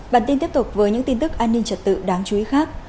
bản tin tiếp tục với những tin tức an ninh trật tự đáng chú ý khác